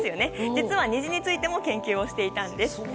実は虹についても研究をしていたんです。